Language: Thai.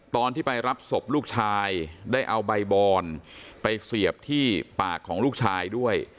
ตอนที่ไปรับศพลูกชายได้เอาใบบอนไปเสียบที่ปากของลูกชายด้วย